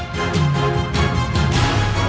jangan lagi membuat onar di sini